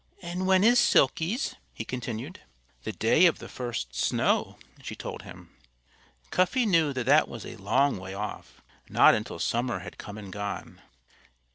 "And when is Silkie's?" he continued. "The day of the first snow," she told him. Cuffy knew that that was a long way off not until summer had come and gone.